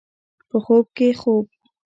په خوب کې خوب